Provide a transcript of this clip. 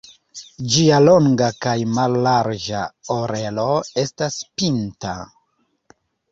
Ĝia longa kaj mallarĝa orelo estas pinta.